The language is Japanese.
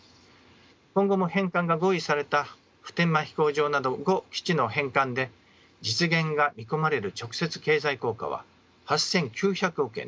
今後も返還が合意された普天間飛行場など５基地の返還で実現が見込まれる直接経済効果は８，９００億円です。